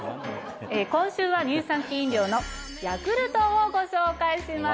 今週は乳酸菌飲料の「ヤクルト」をご紹介します。